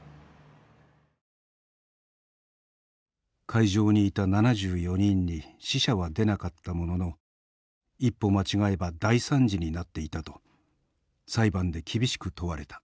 会場にいた７４人に死者は出なかったものの一歩間違えば大惨事になっていたと裁判で厳しく問われた。